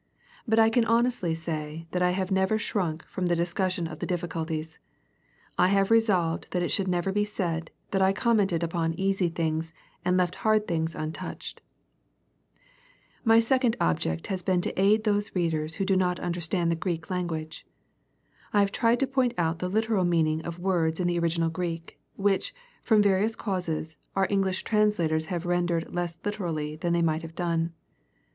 But I can honestly say, that I have never shrunk from the dis cussion of difficulties. I have resolved that it should , never be said, that I commented upon easy things, and left hard things untouched. 2. My second object has been to aid those readers who do not understand the Greek language. I have tried to point out the literal meaning of words in the original Greek, which, from various causes, our Eng lish translators have rendered less literally than they might have done.